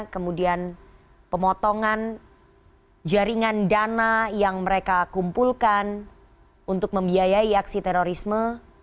kemudian pemotongan jaringan dana yang mereka kumpulkan untuk membiayai aksi terorisme